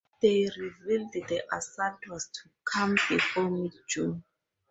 They revealed the assault was to come before mid-June.